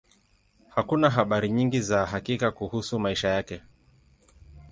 Hakuna habari nyingi za hakika kuhusu maisha yake.